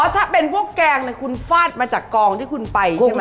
ถ้าเป็นพวกแกงคุณฟาดมาจากกองที่คุณไปใช่ไหม